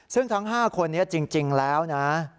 ซึ่งทั้ง๕คนนี้จริงแล้วนะ